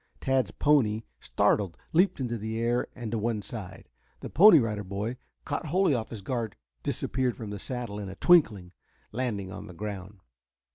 Tad's pony, startled, leaped into the air and to one side. The Pony Rider boy, caught wholly off his guard, disappeared from the saddle in a twinkling, landing on the ground.